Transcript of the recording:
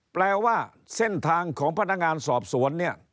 แปลว่าเส้นทางของพนักงานสอบสวนเนี่ย